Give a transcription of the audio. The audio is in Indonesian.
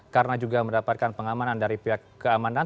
karena juga mendapatkan pengamanan dari pihak keamanan